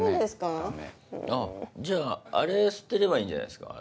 じゃああれ捨てればいいんじゃないですか？